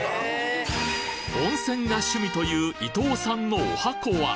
温泉が趣味という伊藤さんの十八番は？